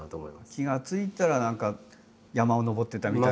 気が付いたら何か山を登ってたみたいな。